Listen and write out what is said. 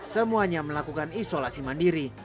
semuanya melakukan isolasi mandiri